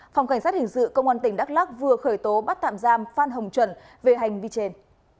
phòng cảnh sát hình sự công an tỉnh đắk lắc vừa khởi tố bắt tạm giam phan hồng chuẩn về hành vi trên